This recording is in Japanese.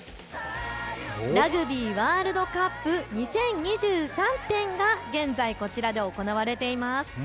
ラグビーワールドカップ２０２３展が現在、こちらで行われています。